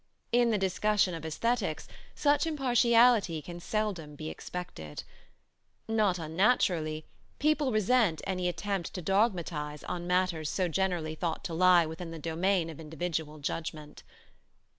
In the discussion of æsthetics such impartiality can seldom be expected. Not unnaturally, people resent any attempt to dogmatize on matters so generally thought to lie within the domain of individual judgment.